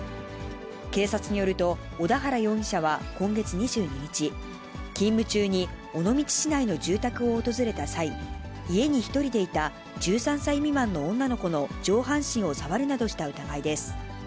警察によると、小田原容疑者は今月２２日、勤務中に尾道市内の住宅を訪れた際、家に１人でいた１３歳未満の女の子の上半身を触るなどした疑いです。